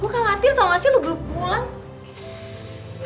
gue khawatir tau gak sih lo belum pulang